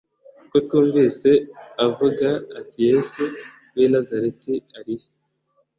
kuko twumvise avuga ati yesu w i nazareti arihe